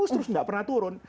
terus gak pernah turun